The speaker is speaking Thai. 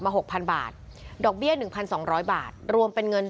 มาหกพันบาทดอกเบี้ยหนึ่งพันสองร้อยบาทรวมเป็นเงิน